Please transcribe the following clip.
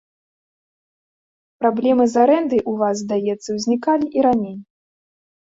Праблемы з арэндай у вас, здаецца, узнікалі і раней.